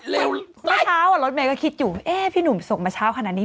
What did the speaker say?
ใกล้เช้าอ่ะรถมันก็คิดอยู่พี่หนุ่มส่งมาเช้าขนาดนี้